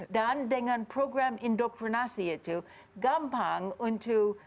dan dengan program indoktrinasi itu gampang untuk